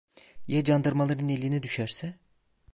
Ya candarmaların eline düşerse?